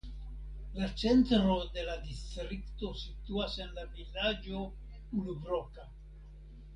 La centro de la distrikto situas en vilaĝo Ulbroka.